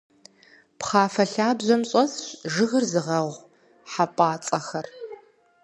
Пхъафэ лъабжьэм щӏэсщ жыгыр зыгъэгъу хьэпӏацӏэхэр.